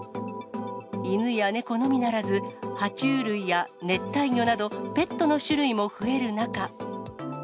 犬や猫のみならず、は虫類や熱帯魚など、ペットの種類も増える中。